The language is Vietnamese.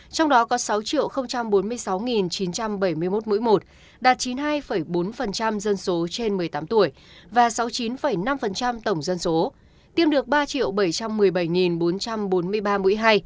trong đó có sáu bốn mươi sáu chín trăm bảy mươi một mũi một đạt chín mươi hai bốn dân số trên một mươi tám tuổi và sáu mươi chín năm tổng dân số tiêm được ba bảy trăm một mươi bảy bốn trăm bốn mươi ba mũi hai